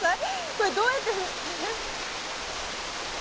これどうやって。